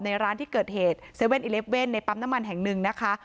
ร้านที่เกิดเหตุ๗๑๑ในปั๊มน้ำมันแห่งหนึ่งนะคะ